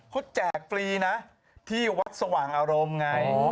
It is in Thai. เขาแจกฟรีนะที่วัดสว่างอารมณ์ไง